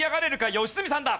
良純さんだ！